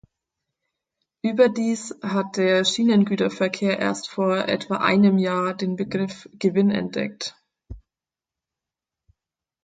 Überdies hat der Schienengüterverkehr erst vor etwa einem Jahr den Begriff Gewinn entdeckt.